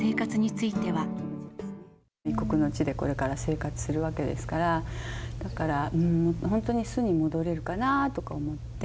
異国の地でこれから生活するわけですから、だから、本当に素に戻れるかなとか思って。